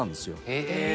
へえ。